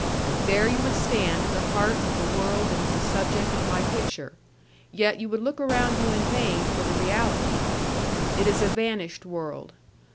There you would stand at the heart of the world that is the subject of my picture, yet you would look around you in vain for the reality. It is a vanished world.